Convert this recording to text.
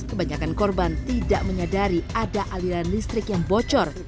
kebanyakan korban tidak menyadari ada aliran listrik yang bocor